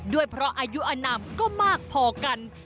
ด้วยเพราะอายุอนามก็มากพอกัน